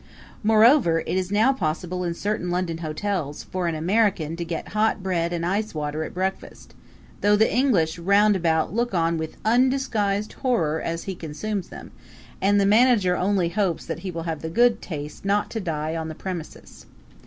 Moreover, it is now possible in certain London hotels for an American to get hot bread and ice water at breakfast, though the English round about look on with undisguised horror as he consumes them, and the manager only hopes that he will have the good taste not to die on the premises.